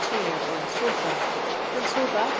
air cr a s.:a, and so badw.